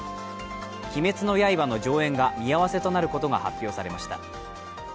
「鬼滅の刃」の上演が見合わせとなることが発表されました。